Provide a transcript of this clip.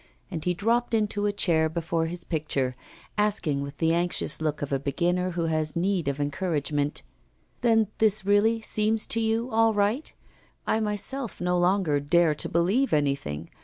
And he dropped into a chair before his picture, asking with the anxious look of a beginner who has need of encouragement: 'Then this really seems to you all right? I myself no longer dare to believe anything.